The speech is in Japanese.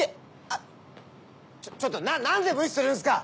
あっちょっと何で無視するんすか！